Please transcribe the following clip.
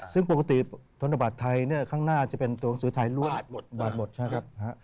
ซึ่งปกติธนบัตรไทยเนี่ยข้างหน้าจะเป็นตัวหนังสือไทยลวดบัตรหมดใช่ครับ